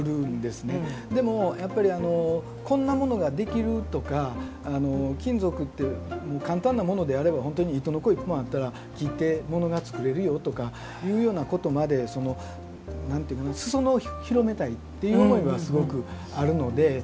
でもやっぱりこんなものができるとか金属って簡単なものであれば本当に糸のこ１本あったら切ってものが作れるよとかいうようなことまですそ野を広めたいっていう思いはすごくあるので。